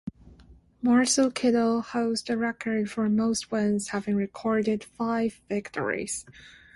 Marcel Kittel holds the record for most wins having recorded five victories.